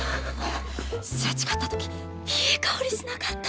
擦れ違ったときいい香りしなかった！？